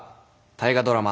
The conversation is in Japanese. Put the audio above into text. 大河ドラマ